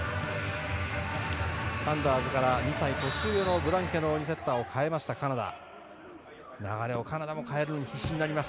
サンダーズから２歳年上のブランケノーにセッターを代えました、カナダ。